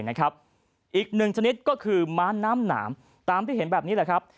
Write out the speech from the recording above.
อีกหนึ่งชนิดก็คือม้าน้ำหนามตามที่เห็นแบบนี้แหละครับ